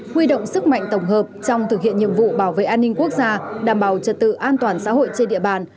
huy động sức mạnh tổng hợp trong thực hiện nhiệm vụ bảo vệ an ninh quốc gia đảm bảo trật tự an toàn xã hội trên địa bàn